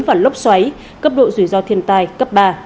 còn lốc xoáy cấp độ rủi ro thiên tài cấp ba